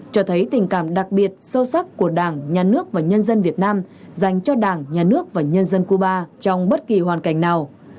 cho thấy tình cảm đặc biệt sâu sắc của đảng nhà nước và nhân dân việt nam dành cho đảng nhà nước và nhân dân cuba trong bất kỳ hoàn cảnh nào